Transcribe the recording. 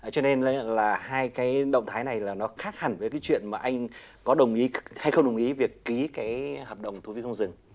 cho nên là hai cái động thái này là nó khác hẳn với cái chuyện mà anh có đồng ý hay không đồng ý việc ký cái hợp đồng thu phí không dừng